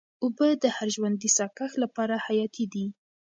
اوبه د هر ژوندي ساه کښ لپاره حیاتي دي.